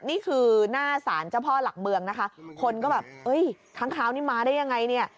นี่คือหน้าศาลเจ้าพ่อหลักเมืองนะคะคนก็แบบเอ้ยค้างคราวนี้มาได้ยังไงเนี่ย